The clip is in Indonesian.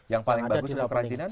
yang paling bagus untuk kerajinan